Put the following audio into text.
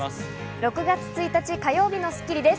６月１日、火曜日の『スッキリ』です。